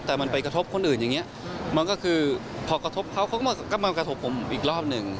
แต่มันไปกระทบคนอื่นอย่างนี้มันก็คือพอกระทบเขาเขาก็มากระทบผมอีกรอบหนึ่ง